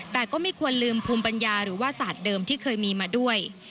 แต่ก็ไม่ควรลืมภูมิปัญญาหรือว่าศาสตร์เดิมที่เคยมีมาด้วย